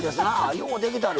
ようできてる！